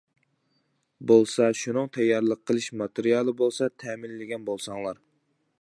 بولسا شۇنىڭ تەييارلىق قىلىش ماتېرىيالى بولسا تەمىنلىگەن بولساڭلار.